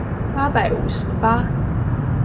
八百五十八